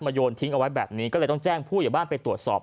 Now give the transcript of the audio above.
โยนทิ้งเอาไว้แบบนี้ก็เลยต้องแจ้งผู้ใหญ่บ้านไปตรวจสอบ